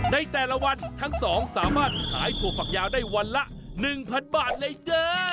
ในแต่ละวันทั้งสองสามารถขายถั่วฝักยาวได้วันละ๑๐๐บาทเลยเด้อ